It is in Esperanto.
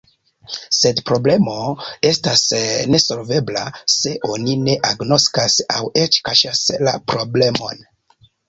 Sed problemo estas nesolvebla, se oni ne agnoskas aŭ eĉ kaŝas la problemon.